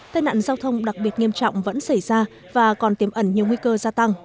tai nạn giao thông đặc biệt nghiêm trọng vẫn xảy ra và còn tiêm ẩn nhiều nguy cơ gia tăng